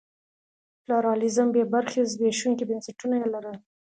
پلورالېزم بې برخې زبېښونکي بنسټونه یې لرل.